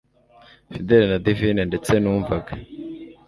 fidele na divine ndetse numvaga